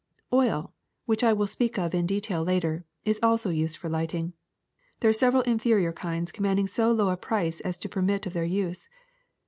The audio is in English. Oil, which I will speak of in detail later, is also used for lighting. There are several inferior kinds commanding so low a price as to permit of their use.